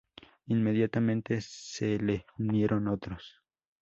Inmediatamente se le unieron otros.